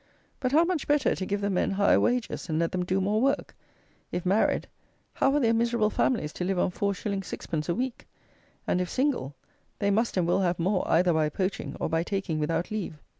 But how much better to give the men higher wages, and let them do more work? If married, how are their miserable families to live on 4_s._ 6_d._ a week? And, if single, they must and will have more, either by poaching, or by taking without leave.